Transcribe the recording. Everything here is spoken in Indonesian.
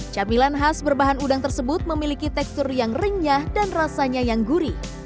camilan khas berbahan udang tersebut memiliki tekstur yang renyah dan rasanya yang gurih